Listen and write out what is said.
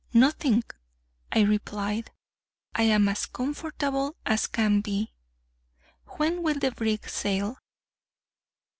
"Nothing," I replied; "I am as comfortable as can be; when will the brig sail?"